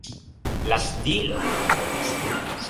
La stilo.